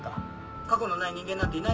過去のない人間なんていないでしょ。